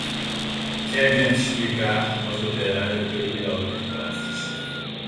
Que adianta explicar aos operários a teoria da luta de classes